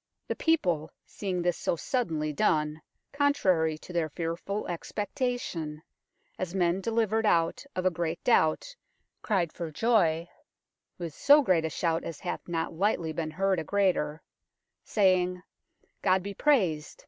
" The people, seeing this so suddenly done, contrary to their fearful expectation, as men delivered out of a great doubt, cried for joy (with so great a shout as hath not lightly been heard a greater) saying, ' God be praised